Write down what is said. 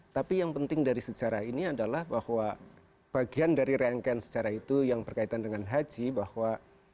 tapi yang penting dari sejarah ini adalah bahwa bagian dari rangkaian sejarah itu yang berkaitan dengan haji bahwa